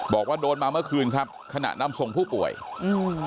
บอกว่าโดนมาเมื่อคืนครับขณะนำส่งผู้ป่วยอืม